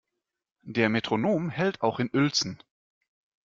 Der Metronom hält auch in Uelzen.